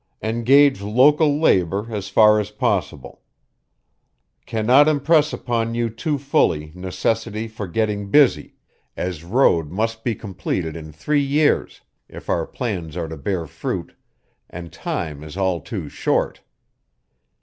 Engage local labour as far as possible. Cannot impress upon you too fully necessity for getting busy, as road must be completed in three years if our plans are to bear fruit and time is all too short.